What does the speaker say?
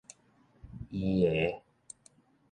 伊的